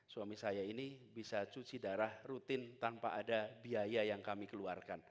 suami saya ini bisa cuci darah rutin tanpa ada biaya yang kami keluarkan